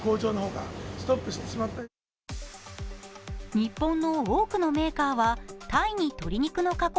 日本の多くのメーカーはタイに鶏肉の加工